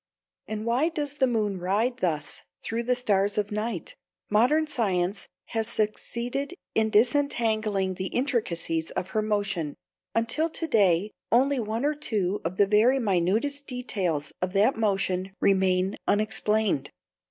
And why does the moon ride thus through the stars of night? Modern science has succeeded in disentangling the intricacies of her motion, until to day only one or two of the very minutest details of that motion remain unexplained.